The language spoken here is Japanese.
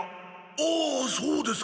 ああそうですか。